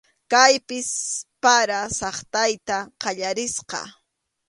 Kaypis para saqtayta qallarisqa.